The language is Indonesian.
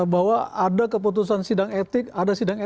bahwa ada keputusan sidang etik ada sidang etik